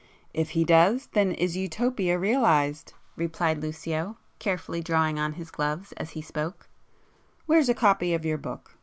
"If he does, then is Utopia realized!"—replied Lucio, carefully drawing on his gloves as he spoke—"Where's a copy of your book?